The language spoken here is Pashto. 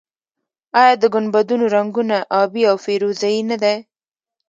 آیا د ګنبدونو رنګونه ابي او فیروزه یي نه دي؟